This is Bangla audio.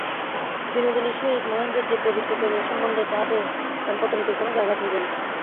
বিনোদিনীর সহিত মহেন্দ্রের যে পবিত্র প্রেমের সম্বন্ধ তাহাতে দাম্পত্যনীতির কোনো ব্যাঘাত হইবে না।